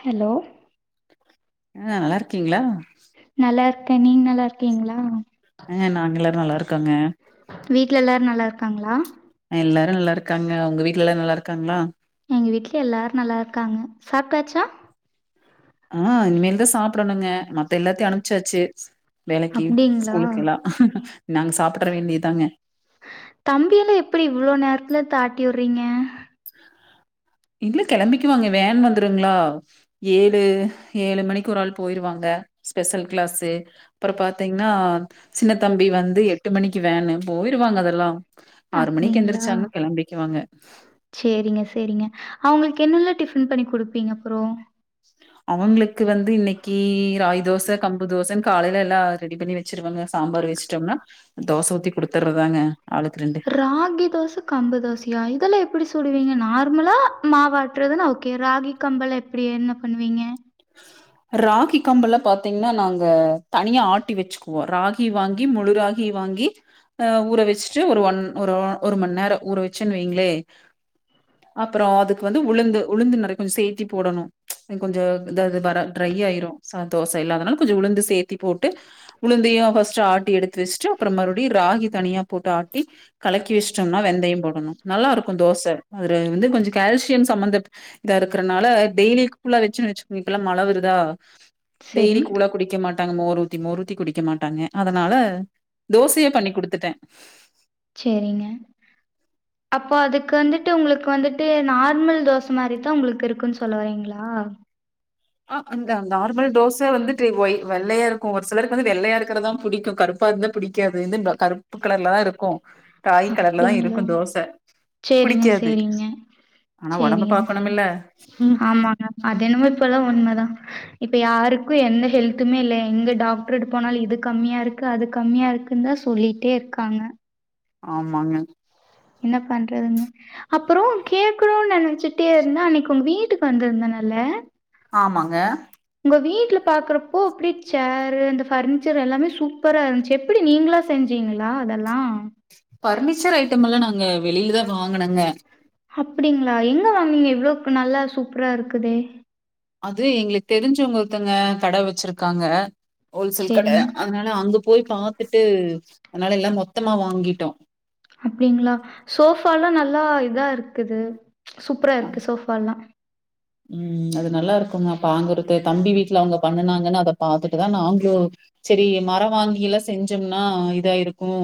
Hello ஆ நல்லா இருக்கீங்ளா நல்லார் க்கே நீங் நல்லா இருக்கீங்ளா அ நாங்க எல்லா நல்லா இருக் வீட்ல எல்லாரு நல்லாருக் காங்ளா எல்லாரு நல்லாருக்காங்க உங்க வீட்டுல எல்லாரு நல்லா இருக்காங்ளா எங்க வீட்டு்ல எல்லாரு நல்லா இருக்காங்க சாப்டாச்சா ஆ இனிமேல்தா சாப்டணுங்க மத்த எல்லாத்தையு அனுப்ச்சாச்சி வேலைக்கி அப்டிங்களா ஸ்கூலுக்கு எல்லா நாங்க சாப்பிட்டற வேண்டியதாங்க தம்பியெல்லா எப்டி இவ்ளோ நேரத்ல தாட்டி வுறீங்க இங்ளே கெளம்பிக்குவாங்க வேன் வந்துருங்ளா ஏழு ஏழு மணிக்கு ஒரு ஆள் போயிருவாங்க ஸ்பெஷல் கிளாஸ்சு அப்போறா பாத்தீங்ன்னா சின்னத்தம்பி வந்து எட்டு மணிக்கு வேன்னு போயிருவாங்க அதெல்லா ஆறு மணி அப்டிங்களா எந்திரிச்சாங்னா கெளம்பிக்வாங்க சேரிங்க சேரிங்க அவுங்ளுக் என்னெல்ல டிஃபன் பண்ணி குடுப்பீங்க அப்றோ அவுங்ளுக் வந்து இன்னைக்கி ராகி தோச கம்பு தோச காலைல எல்லா ரெடி பண்ணி வச்சிருவங்க சாம்பார் வச்ட்டோம்னா தோச ஊத்தி குடுத்றதாங்க ராகி தோச கம்பு தோசயா இதெல்லா எப் புடி சுடுவீங்க நார்மலா மாவாட்டுறதுனா ஓகே ராகி கம்பலா எப்படி என்ன பண்வீங்க ராகி கம்பல்லா பாத்தீங்ன்னா நாங்க தனியா ஆட்டி வெச்சுக்வோ ராகி வாங்கி முழு ராகி வாங்கி ஆ ஊற வச்சிட்டு ஒரு ஒன் ஒரு ஒரு மண்நேரோ ஊற வச்சன் வைங்ளே அப்பறோ அதுக் வந்து உளுந்து உளுந்து நெறைய கொஞ் சேத்தி போடோணு கொஞ்ச அந்த இது ப ட்ரை ஆயிரு சந் தோஸ் இல்லாதனால கொஞ்ச உளுந்து சேத்தி போட்டு உளுந்தையு பஸ்ட் ஃபஸ்ட் ஆட்டி எடுத்து வச்சிட்டு அப்பற மறுபடி ராகி தனியா போட்டு ஆட்டி கலக்கி வச்சுட்டோம்னா வெந்தயம் போடணு நல்லாருக்கு தோச அதுல வந்து கொஞ்ச கால்சியம் சம்பந்தப் இத இருக்றனால டெய்லிக்கு ஃபுல்லா வச்சு வச்சு க்கெல்லா மழ வருதா செரிங் டெய்லிக் கூழா குடிக்க மாட் டாங்க மோர் ஊத்தி மோர் ஊத்தி குடிக்க மாட்டாங்க அதனால தோசையே பண்ணி குடுத்துட்டே சேரிங்க அப்போ அதுக்கு வந்துட்டு உங்களுக்கு வந்துட்டு நார்மல் தோச மாரிதா உங்களுக்கு இருக்குன்னு சொல்ல வரீங்களா ஆ அந் த நார்மல் தோச வந்துட்டு ஒய் வெள்ளையா இருக் க்கோ ஒரு சிலருக்கு வந்து வெள்ளையா இருக்குறதா புடிக்கு கருப்பா இருந்தா புடிக்காது [unintelligible] கருப்பு கலர்ல தா இருக்கும் அப்டிங்களா சேரிங்க புடிக்காது சேரிங்க ஆனா ஒடம்ப சேரிங்க செர்., பாக்கணுமில்ல ம் ஆமாங்க., அதென்னமோ இப்பெல்லா உண்மதா. இப்ப யாருக்கு எந்த ஹெல்த்துமே இல்ல, எங்க டாக்ட்டர்ட போனாலு இது கம்மியா இருக்கு அது கம்மியா இருக்குன்னு தா சொல்லிட்டே இருக்காங்க ஆமாங்க என்ன பண்றதுங்க, அப்புறோ கேக்குணுன் நினைச்சுட்டே இருந்தே அன்னைக்கு உங்க வீட்டுக்கு வந்திருந்தேனல்ல ஆமாங்க இப்ப வீட்டுல பாக்குறப்போ அப்டி சேரு இந்த பர்னிச்சர் எல்லாமே சூப்பரா இருந்துச்சு, எப்டி நீங்களா செஞ்சீங்களா? அதெல்லா பர்னிச்சர் ஐட்டம் எல்லா நாங்க வெளியிலதா வாங்கனங்க அப்படிங்களா எங்க வாங்னீங்க இவ்ளோக் நல்லா சூப்பரா இருக்குதே! அது எங்களுக்கு தெரிஞ்சவங்க ஒருத்தங்க கட வச்சிருக்காங்க ஹோல்சேல் கடை சரிங்க. அதனால அங்க போய் பாாரத்துட்டு அதனால எல்லாம் மொத்தமா வாங்கிட்டோம் அப்படிங்களா சோஃபல்லாம் நல்லா இதா இருக்குது சூப்பரா இருக்கு சோஃபா எல்லாம் உஹம் அது நல்லா இருக்குங்க அப்பங்குறது தம்பி வீட்டுல அவங்க பண்ணுனாங்கன்னு அத பாாரத்துட்டுதான் நாங்களும் சரி மரம் வாங்கி எல்லாம் செஞ்சோம்னா இதா இருக்கும்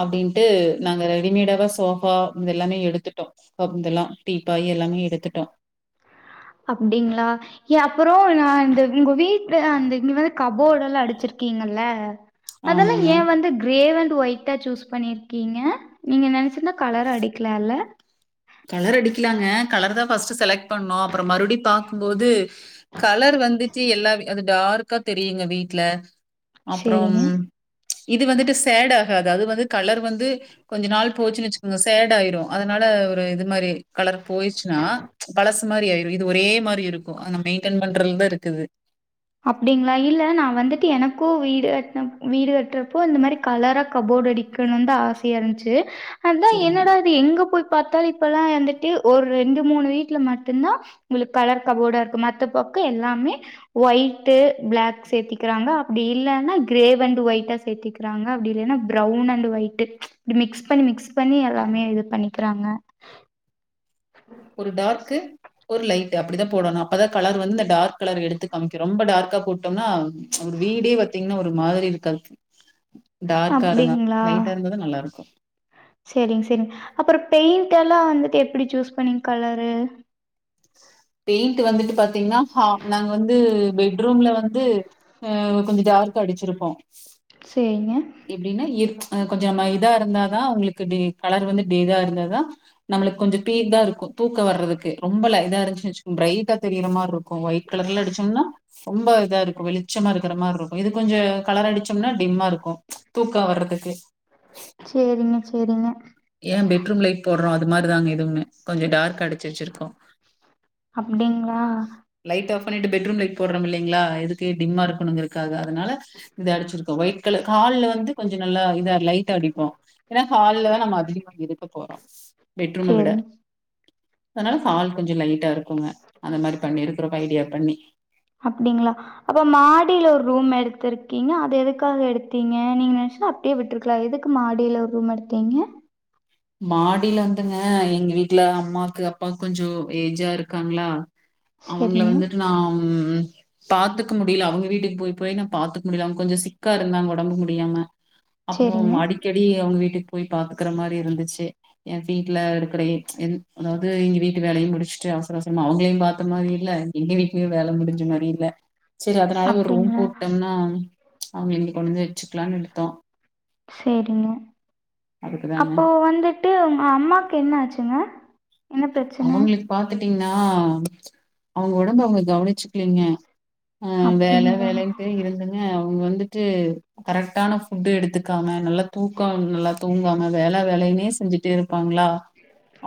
அப்படின்ட்டு நாங்க ரெடிமேடாவ சோஃபா இத எல்லாமே எடுத்துட்டோம் இதெல்லாம் தடீப்பாய் எல்லாமே எடுத்துட்டோம் அப்படிங்களா ஏ அப்புறம் நான் அ உங்க வீட்டுல அந்த இங்க வந்து கபோர்ட எல்லாம் அடிச்சிருக்கீங்கல்ல அதெல்லாம் ஆமாங்க. ஏன் வந்து கிரேவன் ஒொய்ா சூஸ் பண்ணியிருக்கீங்க நீங்க நினைச்ச சின்ன கலர் அடிக்கலல்ல கலர் அடிக்கலாங்க கலர் தான் ஃபர்ஸ்ட் செலக்ட் பண்ணோும் அப்புறம் மறுபடியடி பா்கும்போது கலர் வந்துச்சு எல்லார அது டார்க்கா தெரியுங்க வீட்டு்ல அப்புறம் சரிங்க. இது வந்துட்டு சேட் ஆகாது அது வந்து கலர் வந்து கொஞ்ச நாள் போச்சு நச்சுக்கோங்க சேட் ஆயிரும் அதனால இது மாதிரி கலர் போயடுச்சுன்னா பழசு மாதிரி ஆயிடும் இது ஒரே மாதிரி இருக்கும் மெயின்ன் பண்றது தான் இருக்குது அப்படிங்களா இல்ல நான் வந்துட்டு எனக்கும் வீடு கட்டின வீடு கட்டுறப்போ இந்த மாதிரி கலரா கபோர்ட் அடிக்கணும்னு ஆசையா இருந்துச்சு அதான் சரிங்க. என்னடா இது எங்க போய் பார்த்தால இப்பல்லா வந்துட்டு ஒரு ரெண்டு மூணு வீட்டுல மட்டுந்தா உங்களுக்கு கலர் கபோர்டா இருக்கு மத்த பக்க எல்லாமே ஒயட்டு் பிளாக் சேத்திக்கிறாங்க அப்டி இல்லன்னா கிரே அண்ட் ஒயிட்டா சேத்திக்கிறாங்க அப்டி இல்லன்னா ப்ரௌன் அண்ட் ஒயிட்டு் இப்டி மிக்ஸ் பண்ணி மிக்ஸ் பண்ணி எல்லாமே இது பண்ணிக்கிறாங்க ஒரு டார்க்கு ஒரு லைட்டு அப்டிதா போடணு அப்பதா கலர் வந்து டார்க் கலர் எடுத்து காமிக்கு ரொம்ப டார்க்கா போட்டோம்னா ப்ச் ஒரு வீடே பாத்தீங்ன்னா ஒரு மாதிரி இருக்காது டார்க்கா இருந்தா லைட்டா இருந்ததா நல்லா இருக்கு செரிங் செரிங் அப்புற பெயிண்ட் எல்லா வந்துட்டு எப்புடி சூஸ் பண்ணீங்க கலரு பெயிண்ட் வந்துட்டு பாத்தீங்னா ஹ நாங்க வந்து பெட்ரூம்ல வந்து அ கொஞ்சோ டார்கா அடிச்சிருப்போ சரிங்க. எப்டின்னா ப்ச் அ கொஞ்ச ம இதா இருந்தா தா உங்களுக்கு டே கலர் வந்து இதா இருந்தாதா நம்மளுக்கு கொஞ்சோ தீந்தா தா இருக்கு தூக்கோ வர்றதுக்கு ரொம்பல்ல இதா இருந்துச்சு வச்சோ பிரைட்டா தெரியிற மாரி இருக் ஒயிட் கலர்ல அடிச்சோம்னா ரொம்ப இதா இருக்கு வெளிச்சமா இருக் க்கற மாரி இருக்கு இது கொஞ்சோ கலர் அடிச்சோம்னா டிம்மா இருக்கு தூக்க வர்துக்கு செரிங்க ஏ பெட்ரூம் லைட் போடுறோ அது மாரி தாங்க இதுவுமே கொஞ்சோ டார்க் அடி அப்டிங்களா லைட் ஆஃப் பண்ணிட்டு பெட்ரூம் லைட் போடுறோம் இல்லைங்களா எதுக்கு டிம்மா இருக்குணுங்கறக்காக அதனால இது அடிச்சிருக்க ஒயிட் கல்லு ஹால்ல வந்து கொஞ்சோ நல்லா இதா லைட்டா அடிப்போ ஏன்னா ஹால்ல தா நம்ம அதிகமா இருக்கப்போறோ பெட்ரூம விட சேரிங்க அதனால சால் கொஞ்சோ லைட்டா இருக்குங்க அந்த மாரி பண்ணிருக்கிறோம் ஐடியா பண்ணி அப்டிங்களா அப்ப மாடியில ஒரு ரூம் எடுத் எடுத்திருக்கீங்க அது எதுக்காக எடுத்தீங்க நீங்க நினைச்சன்னா அப்டியே விட்டுருக்கலா எதுக்கு மாடியில ஒரு ரூம் எடுத்தீங்க மாடியில வந்தூங்க எங்க வீட்டுல அம்மாக்கு அப்பா கொஞ்சோ ஏஜ்ஜா இருக்காங்களா அவுங்கள சேரிங்க வந்துட்டு நா உம் பாத்துக்க முடியல அவுங்க வீட்டுக்கு போய் போய் நா பாத்துக்க முடியல அவுங்க கொஞ்சம் சிக்கா இருந்தாங்க ஒடம்பு முடியாம அப்புறோ சேரிங்க அடிக்கடி அவுங்க வீட்டுக் போய் பாத்துட் இருக்கற மாரி இருந் து என் வீட்டுல இருக்கற என் அதாவது எங்க வீட்டு வேலையு முடிச்சுட்டு அவசர அவசரமா அவுங்களையு பாத்த மாரி இல்ல எங்க வீட்டுலயும் வேல முடிஞ்ச மாரி இல்ல செரி அதனால ஒரு ரூம் அப்டிங்களா போட்டோம்னா அவுங்கள இங்க கொண்வந்து செரிங்க அதுக்குதாங்க அப்போ வந்து ட்டு உங் அம்மாக்கு என்ன ஆச்சுங்க என்ன பெரச்சன திகன்னா அவுங்க ஒடம்ப அவுங்க கவுனிச்சுக்கலீங்க ஆஹ் வேல அப்டிங்களா வேலன்டே இருந்துங்க அவுங்க வந்து வந்துட்டு கரெட்டான ஃபுட் எடுத்துக்காம நல்லா தூக்கோ நல்லா தூங்காம வேல வேலையின்னே செஞ்சுட்டு இருப்பாங்களா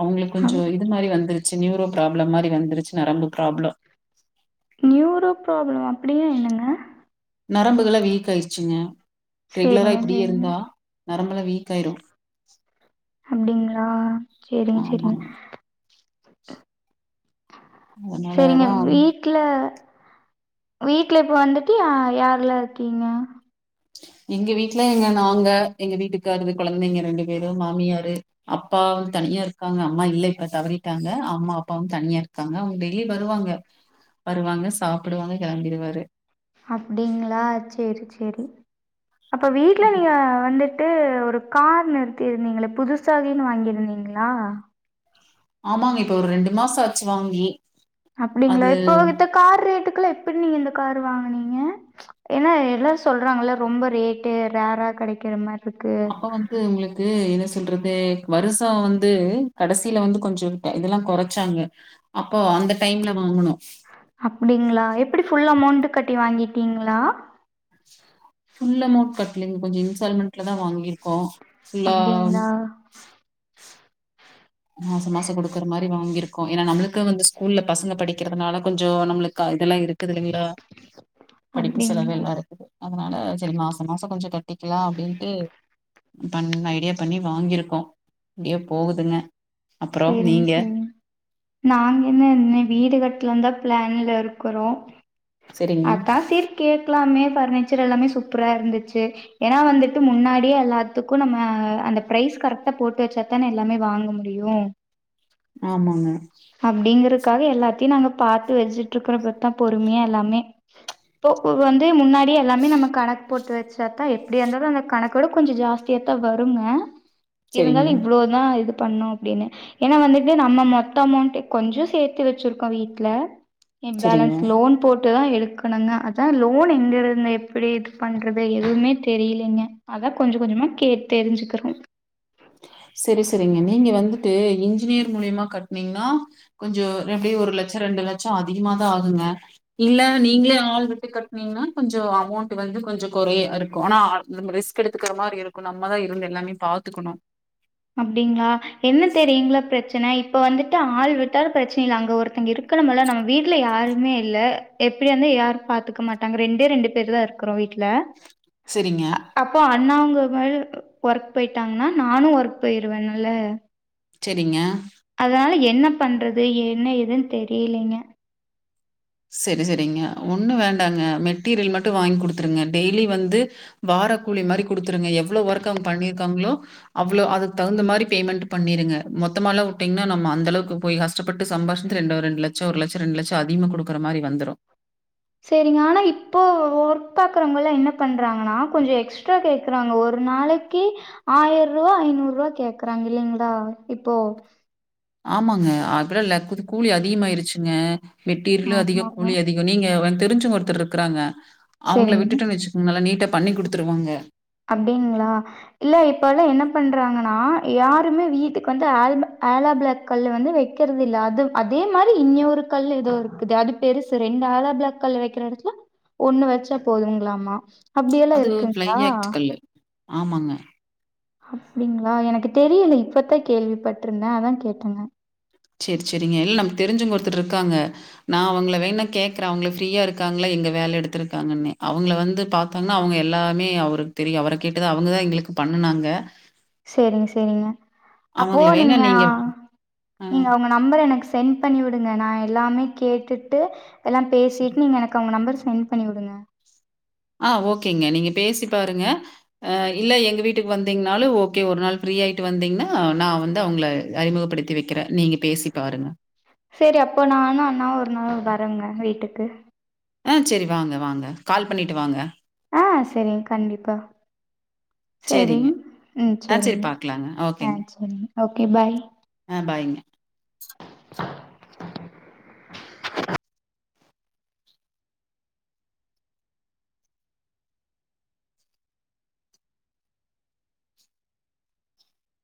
அவுங்கக் கொஞ்சோ அப் இது மாதிரி வந்துருக் நியூரோ ப்ராப்ளம் மாரி வந்துருச்சு நரம்பு ப்ராப்ளம் நீரோ பிராப்ளம் ஆ அப்டின்னா என்னங்க நரம்புகல்லா வீக்ஆயிடுச்சுங்க ரெகுலரா சேரிங்க இப்டியே சேரிங்க இருந்தா நரம்புலாம் வீக் ஆயிடும் அப்டிங்களா சேரிங்க சேரிங்க ஆமாங்க [inaudible] செரிங்க அதனாலதா வீட்ல வீட்ல இப்ப வந்துட்டு யாரெல்லா இருக்கீங்க எங்க வீட்டுல எங்க நாங்க எங்க வீட்டுக்கரு கொழந்தைங்க ரெண்டு பேரும் மாமியாரு அப்பாவு தனியா இருக்காங்க அம்மா இல்ல இப்ப தவறிட்டாங்க அம்மா அப்பாவும் தனியா இருக்காங்க அவுங்க டெய்லி வருவாங்க வருவாங்க சாப்புடுவாங்க கிளம்பிடுவாரு அப்டிங்களா சேரி சேரி அப்ப வீட்டு்ல நீங்க வந்து ட்டு ஒரு கார் நிறுத்தி இருந்தீங்களே புதுசா [unintelligible] வாங்கியிருந்தீங்களா ஆமாங்க இப்ப ஒரு ரெண்டு மாசோ ஆச்சு வாங்கி அப்படிங்ளா அது இப்போ வித்த கார் ரேட்டுக்கு ல்லா எப்பட் நீங்க இந்த கார் வாங்கனீங்க ஏன்னா எல்லாரு சொல்றாங்ல்ல ரொம்ப ரேட்டு ரேரா கெடைக்கிற மாரி இருக்கு அப்ப வந்து உங்களுக்கு என்ன [unintelligible] றது வருஷோ வந்து கடசில வந்து கொஞ்சோ இரு இதெல்லா கொறச்சாங்க அப்போ அந்த டைம்ல வாங்குனோ அப்டீங்களா எப்டி புல் அமௌண்ட் கட்டி வாங்கிட்டீங்களா? ஃபுல் அமௌண்ட் கட்லீங்க கொஞ்சோ இன்ஸ்டால்மெண்ட்ல தா வாங்கிர்க்கோ அப்டீங்ளா மாச மாச கொடுக்குற மாரி வாங்கிருக்கோ. ஏன்னா நம்ளுக்கு வந்து ஸ்கூல்ல பசங்க படிக்கிறதுனால கொஞ்சோ நம்ளுக் இதெல்லா இருக்கு. இருக்குதுல்லைங்ளா படிப்பு செலவு அப்டிங்களா எல்லா இருக்குது அதனால செரி மாச மாசோ கொஞ்சோ கட்டிக்கிலா அப்டின்ட்டு பண் ஐடியா பண்ணி வாங்கியிருக்கோ அப்படியே போகுதுங்க அப்புறோ செரிங்க நீங்க செரி நாங்க என்ன இன்னு வீடு கட்லன் தா பிளான்ல இருக்குறோ சரிங்க அத்தா செர் கேக்லாமே பர்னி ச்சர் எல்லாமே சூப்பரா இருந்துச்சு ஏன்னா வந்துட்டு முன்னாடியே எல்லாத்துக்கு நம்ம அந்த பிரைஸ் கரெக்டா போட்டு வச்சா தான் எல்லாமே வாங்க முடியு ஆமாங்க அப்டிங்கிற காக எல்லாத்தியு நாங்க பாத்து வெச்சுட்ருக்க ப்ப தா பொறுமையா எல்லாமே ம்ச் இப்போ வந்து முன்னாடியே எல்லாமே நம்ம கணக் போட்டு வச்சத்தா எப்படிய இருந்தாலு அந்த கணக்கோட கொஞ்சோ ஜாஸ்தியாத்தா வருங்க இருந்தாலு சரிங்க இவ்ளோதா இது பண்ணு அப்டினு ஏன்ன வந்துட்டு நம்ம மொத்த அமௌண்ட் கொஞ்சோ சேர்த்து வச்சிருக்கோ வீட்ல ஏ சரிங்க பேலன்ஸ் லோன் போட் ட்டு தா எடுக்னுங்க அதா லோன் எங்க இருந் எப்படி இது பண்றது எதுவுமே தெரிலேங்க அதா கொஞ்ச கொஞ்சமா கே தெரிஞ்சுக்கிறோ செரி செரிங்க நீங்க வந்துட்டு இன்ஜினியர் மூலியமா கட்னீங்ன்னா கொஞ்சோ எப்டி ஒரு லட்ச ரெண்டு லட்ச அதிகமா தா ஆகுங்க இல்ல நீங்களே ஆள் விட்டு கட்னீங்கன்னா கொஞ்சோ அமௌண்ட் வந்து கொஞ்சோ கொறைய இருக்கோ ஆனா ரிஸ்க் எடுத்துக்கிற மாரி இருக்கு நம்மதா இருந்து எல்லாமே பாத்துக்குணு அப்டிங்ளா என்ன தெரியுங்களா பிரச்ச ன் இப்ப வந்துட்டு ஆள் விட்டாலு பிரச்சன இல்ல அங்க ஒருத்த இருக்கனும்ல நம்ம வீட்ல யாருமே இல்ல எப்படி வந்து யாரு பாத்துக்க மாட்டாங்க ரெண்டே ரெண்டு பேர் தா இருக்குறோ வீட் ல சரிங்க, அப்போ அண்ணாங் [unintelligible] ஒர்க் போய்ட்டாங்கன்னா நானு ஒர்க் போயிருவேனால செரிங்க அதனால எ ன்ன பண்றது என்ன எதுனு தெரிலேங்க செரி செரிங்க ஒண்ணு வேண்டாங்க மெட்டீர்யல் மட்டு வாங்கி குடுத்துருங்க டெய்லி வந்து வார கூலி மாரி குடுத்துருங்க எவ்ளோ ஒர்க் அவுங் பண்ணிருக்காங்களோ அவ்ளோ அதுக்தகுந்த மாரி பேமெண்ட் பண்ணிருங்க மொத்தமால்லா வுட்டீங்ன்னா நம்ம அந்த அளவுக்கு போய் கஷ்டப்பட்டு சம்பாஷி ரெண்ட ரெண்டு லட்ச ஒரு லட்ச ரெண்டு லட்ச அதிகமா கொடுக் க்குற மாரி வந்துரு செரிங்க ஆனா இப்போ ஒர்க் பாக்குறவங்கல்ல என்ன பண்றாங்கன்னா கொஞ்சோ எக்ஸ்ட்ரா கேக்குறாங்க ஒரு நாளைக்கு ஆயிர ரூபா ஐநூறு ரூவா கேக்குறாங்க இல்லலைங்களா இப்போ ஆமாங்க. அப்பலாம் ல கூ கூலி அதிகமாயிருச்சுங்க மெட்டரியளு அதிக ஆமாங்க. கூலி அதிக நீங்க தெரிஞ்சங் ஒருத்தர் இருக்கறாங்க அவங்கள சரிங்க. விட்டுட்டு வச்சுக்கோங்க நல்லா நீட்டா பண்ணி குடுத்துருவாங்க அப்படிங்களா இல்ல இப்பல்லா என்ன பண்றாங்கன்னா யாருமே வீட்டுக்கு வந்து ஆல் ப ஆலோ பிளாக் கல்லு வந்து வக்குறது இல்ல அது அதே மாரி இன்னொரு கல் ஏதோ இருக்குது அது பெருசு ரெண்டு ஆலா பிளாக் கல் வைக்கிற இடத்துல ஒண்ணு வச்சா போதுங்களாமா அப்படியெல்லா அது ஃப்ளை இருக்குங்களா ஆக்ட் கல்லு. ஆமாங்க அப்படிங்களா எனக்கு தெரியல இப்பத்தா கேள்விப்பட்ருந்தே அதா கேட்டங்க சரி சரிங்க இல்ல நமக்கு தெரிஞ்சவுங்க ஒருத்தர் இருக்காங்க நா அவங்கள வேண்ணா கேக்கற அவங்க ஃப்ரீயா இருக்காங்கள எங்க வேல எடுத்துருக்காங்கன்னு அவங்கள வந்து பாத்தாங்கன்னா அவங்க எல்லாமே அவருக்கு தெரியு அவர கேட்டுதா அவங்கதா எங்களுக்கு பண்ணுனாங்க சரிங்க சரிங்க அப்போ அவங்கள வேணா நீங்க ஆ நீங்க உங்க நம்பர எனக்கு சென்ட் பண்ணி விடுங்க நா எல்லாமே கேட்டுட்டு எல்லா சரி. பேசிட் நீங்க எனக்கு அவங்க நம்பர் சென்ட் பண்ணி விடுங்க ஆ ஓகேங்க நீங்க பேசி பாருங்க இல்ல எங்க வீட்டுக்கு வந்தீங்கன்னாலு ஓக்கே ஒரு நாள் ஃப்ரீயாயிட்டு வந்தீங்கன்னா நா வந்து அவுங்கள அறிமுகப்படுத்தி வக்கிற சரி அப்ப நானு அண்ணாவு ஒரு நாள் வர ங்க வீட்டுக்கு ஆ சரி வாங்க வாங்க கால் பண்ணிட்டு வாங்க ஆஹ் சரிங் கண்டிப்பா சரிங்க. சரிங் உம் ஆ சரி சரிங்க பாக்கலாங்க. ஓகேங்க. ஆஹ் சரிங்க ஓகே பாய் ஆ பாய்ங்க.